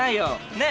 ねえ。